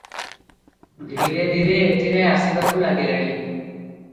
ଧୀରେ ଧୀରେ ଏଥିରେ ଆସିବାକୁ ଲାଗିଲାଣି ।